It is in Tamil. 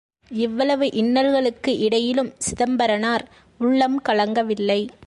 இவ்வளவு இன்னல்களுக்கு இடையிலும் சிதம்பரனார் உள்ளம் கலங்கவில்லை.